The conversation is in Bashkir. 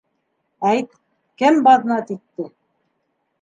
Әйт, кем баҙнат итте?